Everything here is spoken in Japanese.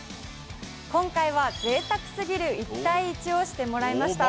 今回はぜいたくすぎる１対１をしてもらいました。